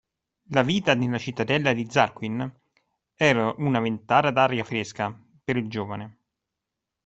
La vita nella cittadella di Zorqun era una ventata d'aria fresca per il giovane.